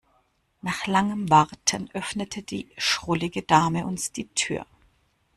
Nach langem Warten öffnete die schrullige Dame uns die Tür.